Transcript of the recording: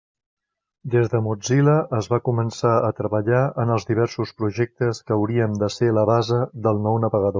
Des de Mozilla es va començar a treballar en els diversos projectes que haurien de ser la base del nou navegador.